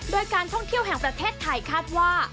โดยการท่องเที่ยวแห่งประเทศไทยคาดว่า